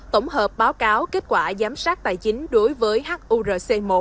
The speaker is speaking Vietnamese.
tổng hợp báo cáo kết quả giám sát tài chính đối với hurc một